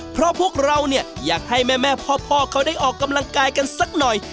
เพราะพวกเราเนี่ยอยากให้แม่พ่อเขาได้ออกกำลังกายกันสักหน่อย